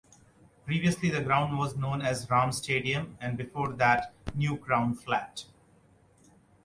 Previously the ground was known as 'Ram Stadium' and, before that, 'New Crown Flatt'.